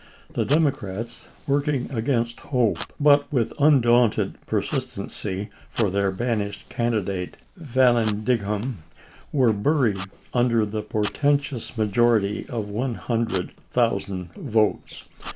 The Democrats, working against hope but with undaunted persistency for their banished candidate, Vallandigham, were buried under the portentous majority of one hun dred thousand votes.